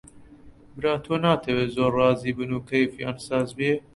برا تۆ ناتەوێ زۆر ڕازی بن و کەیفیان ساز بێ؟